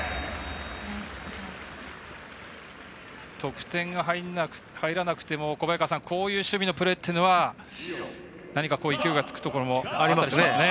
得点が入らなくてもこういう守備のプレーっていうのは何か勢いがつくところもありますね。